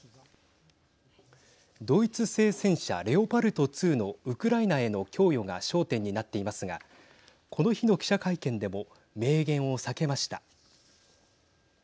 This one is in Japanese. ドイツ製戦車レオパルト２のウクライナへの供与が焦点になっていますがこの日の記者会見でも明言を避けました。